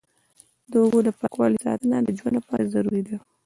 د اوبو د پاکوالي ساتنه د ژوند لپاره ضروري ده.